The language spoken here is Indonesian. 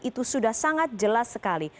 itu sudah sangat jelas sekali